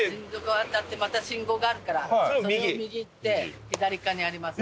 渡ってまた信号があるからそれを右行って左側にあります。